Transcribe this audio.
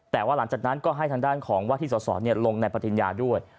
แต่ว่าหลังจากนั้นก็ให้ทางด้านของว่าที่สอสอลงในปฏิญญาด้วย